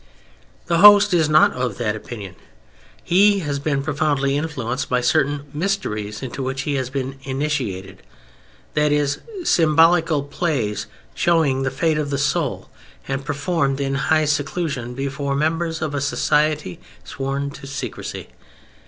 The host is not of that opinion; he has been profoundly influenced by certain "mysteries" into which he has been "initiated:" That is, symbolical plays showing the fate of the soul and performed in high seclusion before members of a society sworn to secrecy.